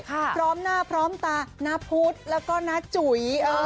พร้อมหน้าพร้อมตาน้าพุทธแล้วก็น้าจุ๋ย